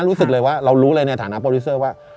รู้สึกเลยว่าเรารู้เลยในฐานะโปรดิวเซอร์ว่า